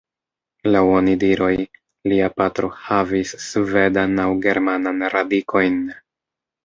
Laŭ onidiroj, lia patro havis svedan aŭ germanan radikojn.